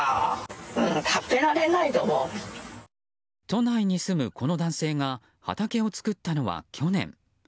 都内に住むこの男性が畑を作ったのは去年。